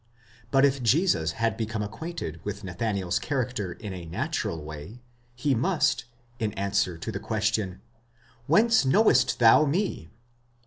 But if Jesus had be come acquainted with Nathanael's character in a natural way, he must, in answer to the question Whence knowest thou me?